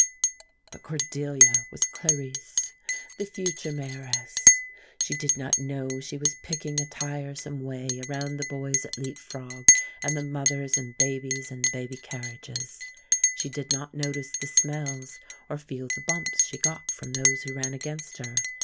But Cordelia was Clarice, the future Mayoress. She did not know she was picking a tiresome way around the boys at leap frog, and the mothers and babies and baby carriages. She did not notice the smells, or feel the bumps she got from those who ran against her.